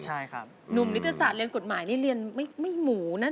ใช่ครับหนุ่มนิตศาสตร์เรียนกฎหมายนี่เรียนไม่หมูนะ